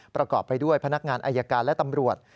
ประกอบไปด้วยพนักงานอายการและตำรวจ